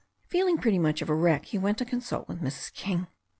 Feeling pretty much of a wreck, he went to consult with Mrs. King.